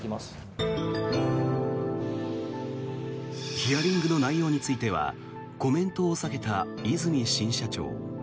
ヒアリングの内容についてはコメントを避けた和泉新社長。